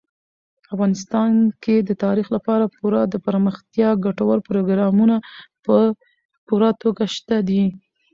افغانستان کې د تاریخ لپاره پوره دپرمختیا ګټور پروګرامونه په پوره توګه شته دي.